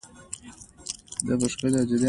د تودوخې انرژي په جسم کې بدلون راولي.